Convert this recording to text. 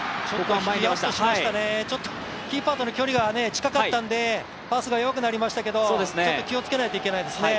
ヒヤッとしましたね、キーパーとの距離が近かったんでパスがよくなりましたけど気をつけないといけないですね。